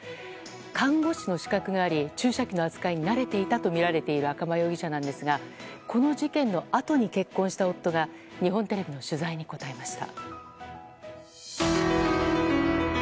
看護師の資格があり注射器の扱いに慣れていたとみられる赤間容疑者なんですがこの事件のあとに結婚した夫が日本テレビの取材に答えました。